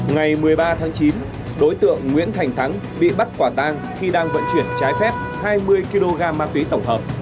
ngày một mươi ba tháng chín đối tượng nguyễn thành thắng bị bắt quả tang khi đang vận chuyển trái phép hai mươi kg ma túy tổng hợp